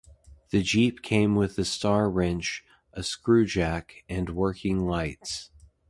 The Jeep came with a star wrench, a screw jack and working lights.